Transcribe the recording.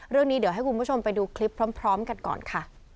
เรื่องนี้เดี๋ยวให้คุณผู้ชมไปดูคลิปพร้อมกันก่อนค่ะ